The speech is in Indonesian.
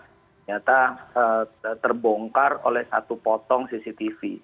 ternyata terbongkar oleh satu potong cctv